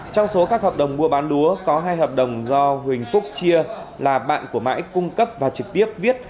trong số các hợp đồng mua bán lúa có hai hợp đồng do huỳnh phúc chia là bạn của mãi cung cấp và trực tiếp viết